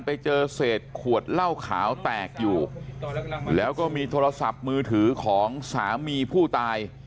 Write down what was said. ไปเจอเศษขวดเหล้าขาวแตกอยู่แล้วก็มีโทรศัพท์มือถือของสามีผู้ตาย